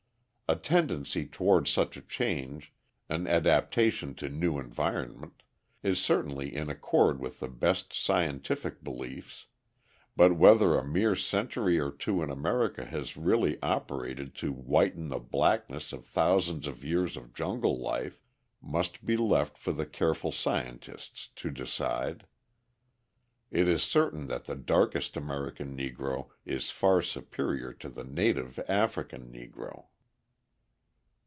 A tendency toward such a change, an adaptation to new environment, is certainly in accord with the best scientific beliefs, but whether a mere century or two in America has really operated to whiten the blackness of thousands of years of jungle life, must be left for the careful scientist to decide. It is certain that the darkest American Negro is far superior to the native African Negro.